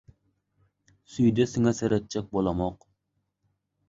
«Süýde siňe seretjek» bolamok.